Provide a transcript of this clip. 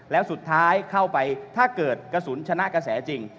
แล้วสุดท้ายเข้าไปถ้าเกิดกระสุนชนะกระแสจริง